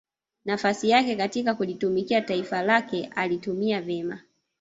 nafasi yake katika kulitumikia taifa lake aliitumia vyema